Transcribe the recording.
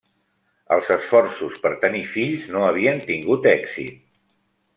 Els esforços per tenir fills no havien tingut èxit.